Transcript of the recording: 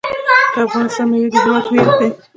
د افغانستان میوې د هیواد هویت دی.